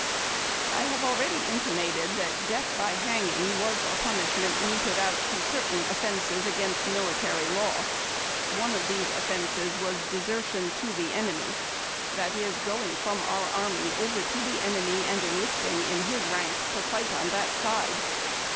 I have already intimated that death by hanging was a punishment meted out to certain offences against military law. One of these offences was desertion to the enemy, that is, going from our army over to the enemy, and enlist in"; in his ranks to fis^ht on that side.